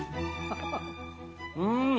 うん。